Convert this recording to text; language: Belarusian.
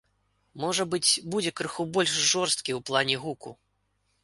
Можа быць, будзе крыху больш жорсткі ў плане гуку.